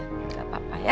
gak apa apa ya